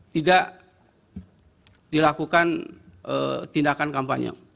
tidak dilakukan tindakan kampanye